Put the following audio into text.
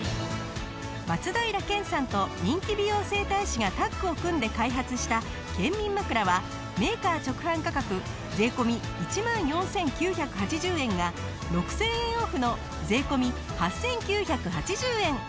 松平健さんと人気美容整体師がタッグを組んで開発した健眠枕はメーカー直販価格税込１万４９８０円が６０００円オフの税込８９８０円。